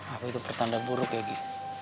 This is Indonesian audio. apa itu pertanda buruk ya ki